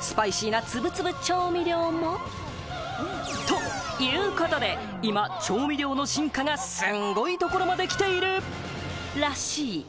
スパイシーなツブツブ調味料も。ということで、今、調味料の進化がすごいところまで来ているらしい。